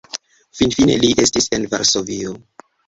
Finfine li estis en Varsovio.